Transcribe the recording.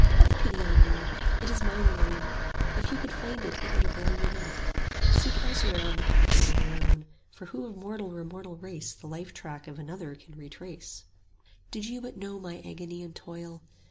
Have pity on me! it is mine alone. If you could find, it would avail you naught; Seek elsewhere on the pathway of your own: 40 For who of mortal or immortal race The lifetrack of another can retrace? Did you but know my agony and toil!